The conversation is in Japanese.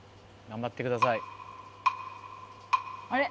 頑張ってください。